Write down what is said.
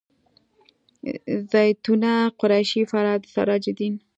زیتونه قریشي فرهاد سراج الدین